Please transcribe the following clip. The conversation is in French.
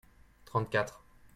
trente quatre.